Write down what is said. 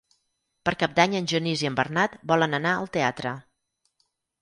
Per Cap d'Any en Genís i en Bernat volen anar al teatre.